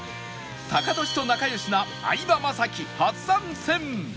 タカトシと仲良しな相葉雅紀初参戦！